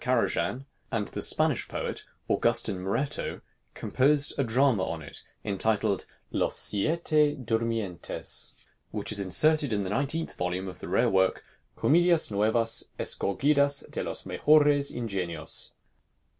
Karajan; and the Spanish poet, Augustin Morreto, composed a drama on it, entitled "Los Siete Durmientes," which is inserted in the 19th volume of the rare work, "Comedias Nuevas Escogidas de los Mejores Ingenios."